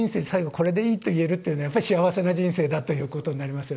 これでいいと言えるというのはやっぱり幸せな人生だということになりますよね。